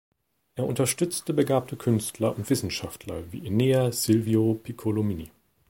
Er unterstützte begabte Künstler und Wissenschaftler wie Enea Silvio Piccolomini.